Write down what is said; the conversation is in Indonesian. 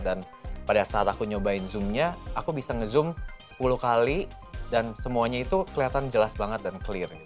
dan pada saat aku nyobain zoom nya aku bisa nge zoom sepuluh kali dan semuanya itu kelihatan jelas banget dan clear